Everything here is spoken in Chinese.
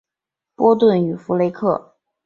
波顿与弗雷克结婚后生活在纽约布鲁克林区。